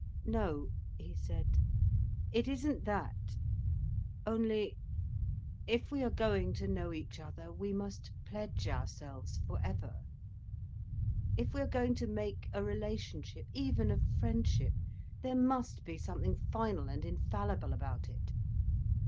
"No," he said. "It isn't that. Only—if we are going to know each other, we must pledge ourselves for ever. If we are going to make a relationship, even of friendship, there must be something final and infallible about it."